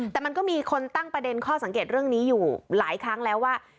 แต่มันก็มีคนตั้งประเด็นข้อสังเกตเรื่องนี้อยู่หลายครั้งแล้วว่า